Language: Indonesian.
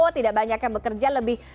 tidak banyak yang bekerja lebih